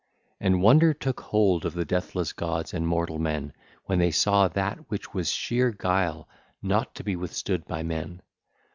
And wonder took hold of the deathless gods and mortal men when they saw that which was sheer guile, not to be withstood by men.